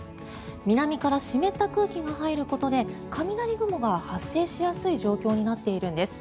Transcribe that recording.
南から湿った空気が入ることで雷雲が発生しやすい状況になっているんです。